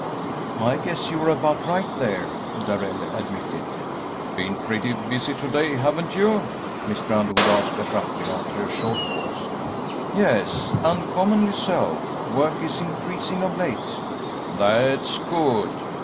"I guess you are about right there," Darrell admitted. "Been pretty busy to day, haven't you?" Mr. Underwood asked, abruptly, after a short pause. "Yes, uncommonly so; work is increasing of late." "That's good.